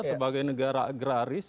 sebagai negara agraris